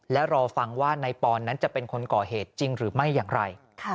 และรอฟังว่านายปอนนั้นจะเป็นคนก่อเหตุจริงหรือไม่อย่างไร